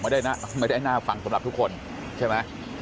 ไม่ได้น่าฝั่งสำหรับทุกคน